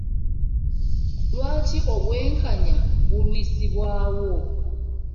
Lwaki obwenkanya bulwisibwawo?